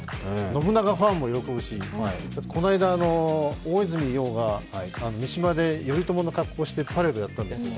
信長ファンも喜ぶし、この間、大泉洋が三島で頼朝の格好してパレードやったんですよ。